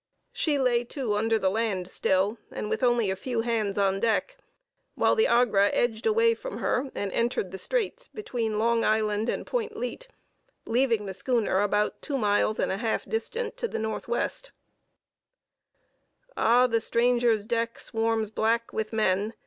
She lay to under the land still, and with only a few hands on deck, while the Agra edged away from her and entered the straits between Long Island and Point Leat, leaving the schooner about two miles and a half distant to the N.W. Ah! The stranger's deck swarms black with men.